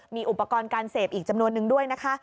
มีอุปกรณ์การเสพอีกจำนวนนึงด้วยนะคะ